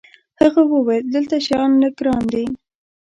هغه وویل: دلته شیان لږ ګران دي.